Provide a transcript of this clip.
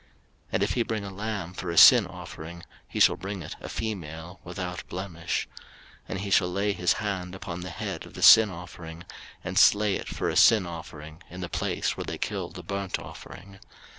03:004:032 And if he bring a lamb for a sin offering, he shall bring it a female without blemish. 03:004:033 And he shall lay his hand upon the head of the sin offering, and slay it for a sin offering in the place where they kill the burnt offering.